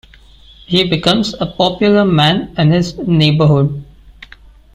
He becomes a popular man in his neighborhood.